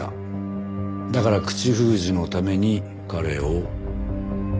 だから口封じのために彼を。